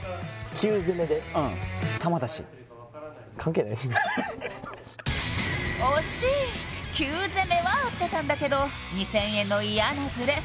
９攻めは合ってたんだけど２０００円の嫌なズレ